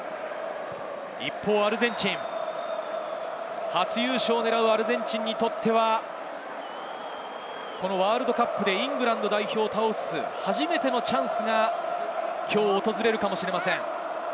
一方、アルゼンチン、初優勝を狙うアルゼンチンにとっては、ワールドカップでイングランド代表を倒す初めてのチャンスがきょう訪れるかもしれません。